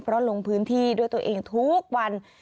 เพราะลงพื้นที่ด้วยตัวเองทุกวัน